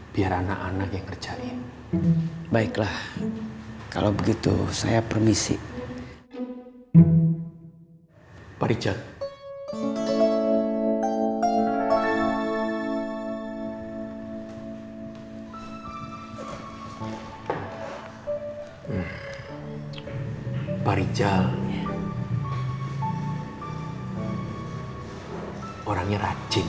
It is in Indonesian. pak rijal gak usah mikir